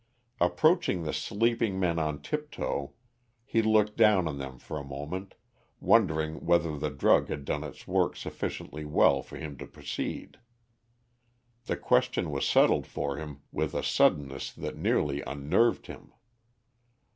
Approaching the sleeping men on tiptoe, he looked down on them for a moment, wondering whether the drug had done its work sufficiently well for him to proceed. The question was settled for him with a suddenness that nearly unnerved him.